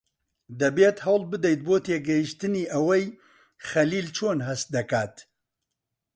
دەبێت هەوڵ بدەیت بۆ تێگەیشتنی ئەوەی خەلیل چۆن هەست دەکات.